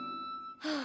はあ。